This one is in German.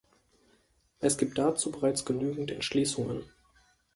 Es gibt dazu bereits genügend Entschließungen.